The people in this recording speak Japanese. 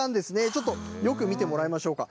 ちょっとよく見てもらいましょうか。